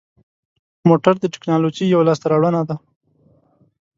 موټر د تکنالوژۍ یوه لاسته راوړنه ده.